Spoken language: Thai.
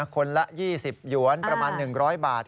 คนละ๒๐หยวนประมาณ๑๐๐บาท